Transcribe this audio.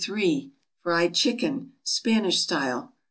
=Fried Chicken, Spanish Style.